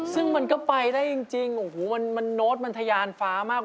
ซึ่งมันก็ไปได้จริงโน้ตมันทยานฟ้ามาก